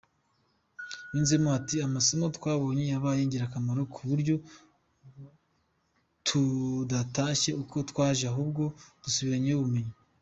Yunzemo ati " Amasomo twabonye yabaye ingirakamaro ku buryo tudatashye uko twaje ahubwo dusubiranyeyo ubumenyi".